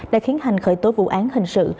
đã khiến hành khởi tố vụ án hình sự